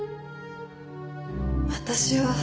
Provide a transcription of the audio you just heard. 私は。